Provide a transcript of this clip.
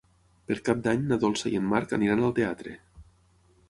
Per Cap d'Any na Dolça i en Marc aniran al teatre.